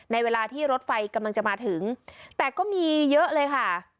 เวลาที่รถไฟกำลังจะมาถึงแต่ก็มีเยอะเลยค่ะ